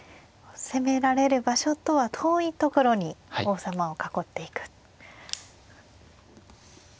攻められる場所とは遠いところに王様を囲っていく。